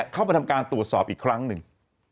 เข้ามาทำการตรวจสอบอีกครั้งหนึ่ง